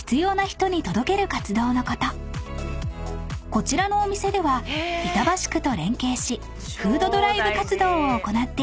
［こちらのお店では板橋区と連携しフードドライブ活動を行っているんです］